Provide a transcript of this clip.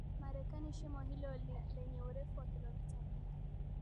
Marekani Shimo hilo lenye urefu wa kilometa mbili